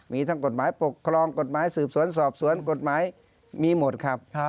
มีทั้งกฎหมายปกครองกฎหมายสืบสวนสอบสวนกฎหมายมีหมดครับ